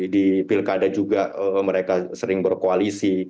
di pilkada juga mereka sering berkoalisi